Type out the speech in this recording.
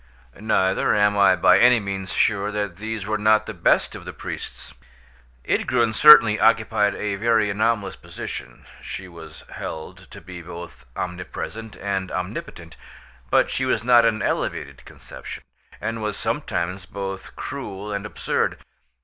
Neither am I by any means sure that these were not the best of the priests. Ydgrun certainly occupied a very anomalous position; she was held to be both omnipresent and omnipotent, but she was not an elevated conception, and was sometimes both cruel and absurd.